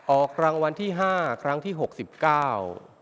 ออกรางวัลที่ห้าครั้งที่หกสิบเก้า